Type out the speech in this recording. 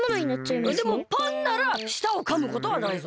でもパンならしたをかむことはないぞ。